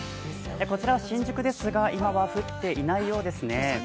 こちらは新宿ですが、今は降っていないようですね。